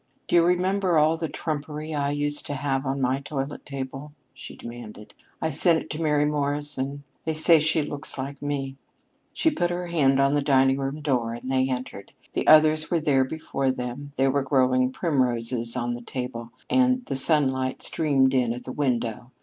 "Do you remember all the trumpery I used to have on my toilet table?" she demanded. "I sent it to Mary Morrison. They say she looks like me." She put her hand on the dining room door and they entered. The others were there before them. There were growing primroses on the table, and the sunlight streamed in at the window.